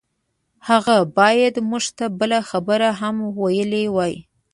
هغه بايد موږ ته بله خبره هم ويلي وای.